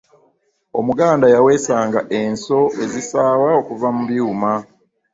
omuganda yawesa nga ensso ezisaawa okuva mu byuuma